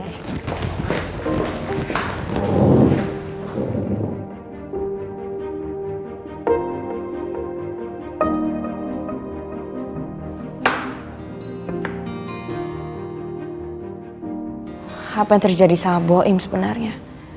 apa yang terjadi sama boim sebenarnya